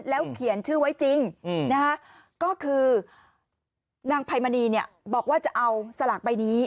แล้วเขียนชื่อไว้จริงก็คือนางไพมณีเนี่ยบอกว่าจะเอาสลากใบนี้